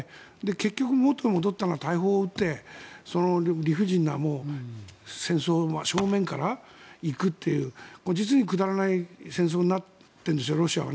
結局元に戻ったのは大砲を撃って、理不尽な戦争を正面から行くという実にくだらない戦争になっているんですよ、ロシアは。